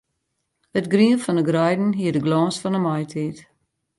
It grien fan 'e greiden hie de glâns fan 'e maitiid.